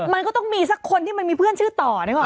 มันก็จะมีคนที่มีเพื่อนชื่อต่อ